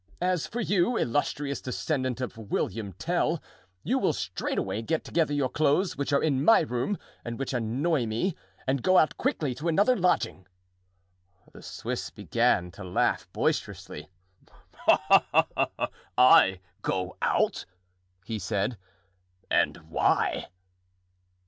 As for you, illustrious descendant of William Tell, you will straightway get together your clothes which are in my room and which annoy me, and go out quickly to another lodging." The Swiss began to laugh boisterously. "I go out?" he said. "And why?"